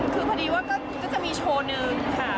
คือพอดีว่าก็จะมีโชว์หนึ่งค่ะ